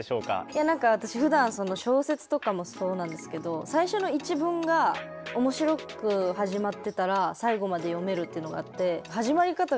いやなんか私ふだん小説とかもそうなんですけど最初の一文が面白く始まってたら最後まで読めるっていうのがあって。